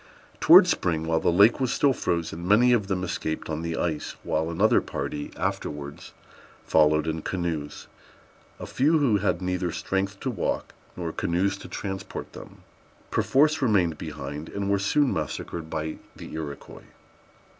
Towards spring, while the lake was still frozen, many of them escaped on the ice, while another party afterwards followed in canoes. A few, who had neither strength to walk nor canoes to transport them, perforce remained behind, and were soon massacred by the Iroquois.